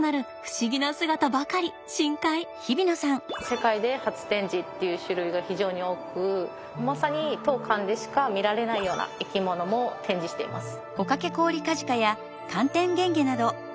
世界で初展示っていう種類が非常に多くまさに当館でしか見られないような生き物も展示しています。